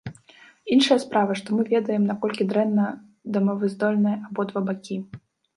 Іншая справа, што мы ведаем, наколькі дрэнна дамоваздольныя абодва бакі.